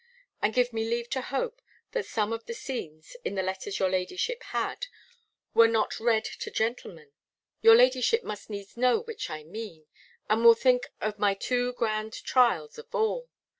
And give me leave to hope, that some of the scenes, in the letters your ladyship had, were not read to gentlemen; your ladyship must needs know which I mean, and will think of my two grand trials of all.